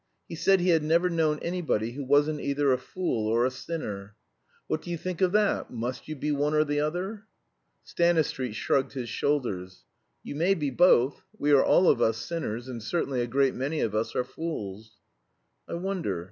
He said he had never known anybody who wasn't either a fool or a sinner. What do you think of that? Must you be one or the other?" Stanistreet shrugged his shoulders. "You may be both. We are all of us sinners, and certainly a great many of us are fools." "I wonder.